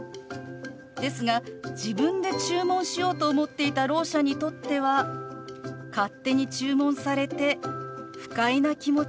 ですが自分で注文しようと思っていたろう者にとっては勝手に注文されて不快な気持ちになりますよね。